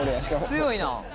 強いな。